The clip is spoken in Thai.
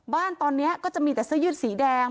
บ้านตอนนี้ก็จะมีแต่เสื้อยืดสีแดง